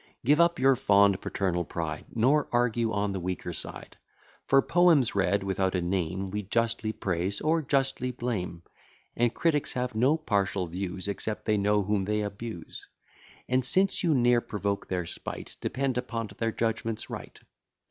Give up your fond paternal pride, Nor argue on the weaker side: For, poems read without a name We justly praise, or justly blame; And critics have no partial views, Except they know whom they abuse: And since you ne'er provoke their spite, Depend upon't their judgment's right.